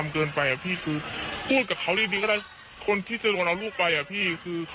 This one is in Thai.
ก็คือ